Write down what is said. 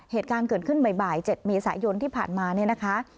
เหตุการณ์เกิดขึ้นบ่าย๗เมษายนที่ผ่านมาเนี่ยนะคะ